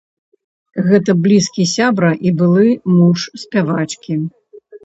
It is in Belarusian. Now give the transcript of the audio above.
Гэта блізкі сябра і былы муж спявачкі.